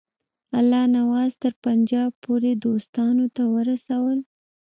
الله نواز تر پنجاب پوري دوستانو ته ورسول.